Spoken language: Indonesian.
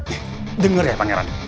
ih denger ya pangeran